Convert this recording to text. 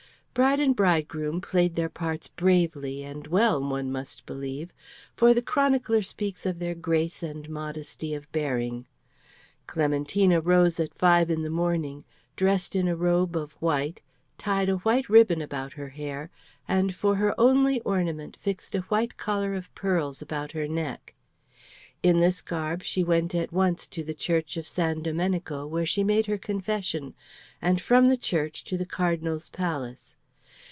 Bride and bridegroom played their parts bravely and well, one must believe, for the chronicler speaks of their grace and modesty of bearing. Clementina rose at five in the morning, dressed in a robe of white, tied a white ribbon about her hair, and for her only ornament fixed a white collar of pearls about her neck. In this garb she went at once to the church of San Domenico, where she made her confession, and from the church to the Cardinal's Palace.